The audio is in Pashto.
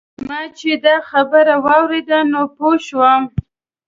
ما چې دا خبرې واورېدې نو پوی شوم.